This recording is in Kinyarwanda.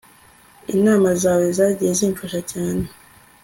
Inama zawe zagiye zimfasha cyane